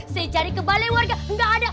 saya cari ke balai warga nggak ada